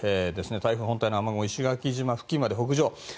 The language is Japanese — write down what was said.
台風本体の雨雲が石垣島付近まで北上。